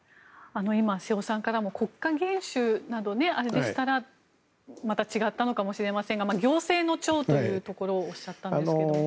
瀬尾さんからも国家元首でしたらまた違ったのかもしれませんが行政の長ということをおっしゃったんですけども。